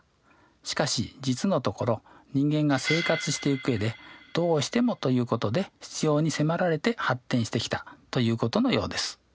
しかし実のところ人間が生活していく上でどうしてもということで必要に迫られて発展してきたということのようです。